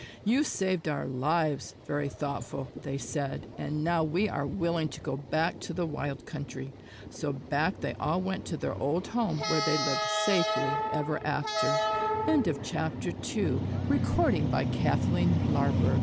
"You saved our lives, Very Thoughtful," they said, "and now we are willing to go back to the wild country." So back they all went to their old home where they lived safely ever after. III THE TRICKY WOLF AND THE RATS Once upon